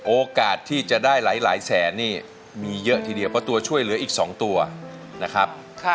โอกาสที่จะได้หลายแสนนี่มีเยอะทีเดียวเพราะตัวช่วยเหลืออีก๒ตัวนะครับ